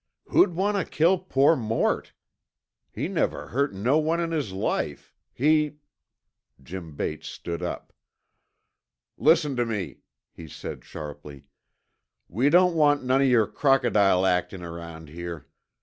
"Who'd want to kill poor Mort? He never hurt no one in his life. He " Jim Bates stepped up. "Listen tuh me," he said sharply. "We don't want none of yer crocodile actin' around here.